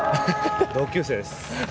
同級生です。